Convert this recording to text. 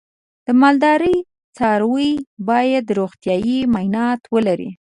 د مالدارۍ څاروی باید روغتیايي معاینات ولري.